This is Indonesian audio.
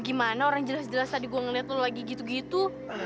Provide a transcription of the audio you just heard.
gimana orang jelas jelas tadi gue ngeliat lo lagi gitu gitu